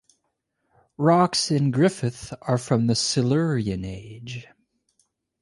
Rocks in Griffith are from the Silurian age.